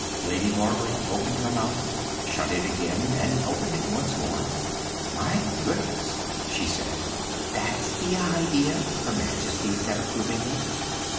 Lady Barbara opened her mouth, shut it again, and opened it once more. "My goodness," she said. "That's the idea," Her Majesty said approvingly.